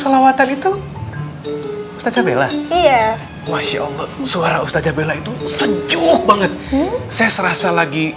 solawatan itu ustaz abela iya masya allah suara ustaz abela itu sejuk banget saya serasa lagi